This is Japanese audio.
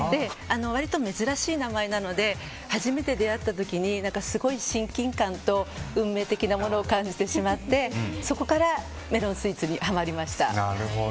割と珍しい名前なので初めて出会った時にすごい親近感と運命的なものを感じてしまってそこからメロンスイーツにハマりました。